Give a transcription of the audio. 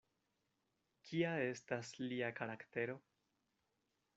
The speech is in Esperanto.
Kia estas lia karaktero?